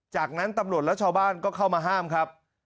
จากนั้นตำรวจและชาวบ้านก็เข้ามาห้ามครับ